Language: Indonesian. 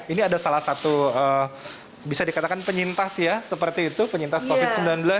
ini ada salah satu bisa dikatakan penyintas ya seperti itu penyintas covid sembilan belas